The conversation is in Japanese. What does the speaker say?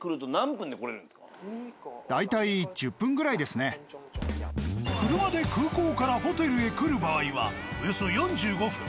ちなみに車で空港からホテルへ来る場合はおよそ４５分。